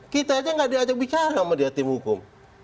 kita aja nggak diajak bicara sama dia tim hukum